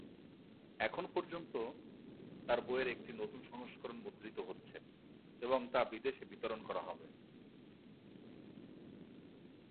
এখন পর্যন্ত, তার বইয়ের একটি নতুন সংস্করণ মুদ্রিত হচ্ছে এবং তা বিদেশে বিতরণ করা হবে।